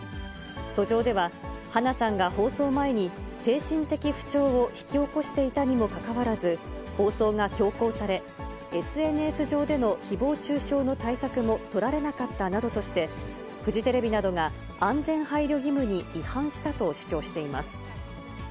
訴状では花さんが放送前に、精神的不調を引き起こしていたにもかかわらず、放送が強行され、ＳＮＳ上でのひぼう中傷の対策も取られなかったなどとして、フジテレビなどが安全配慮義務に違反したと主張しています。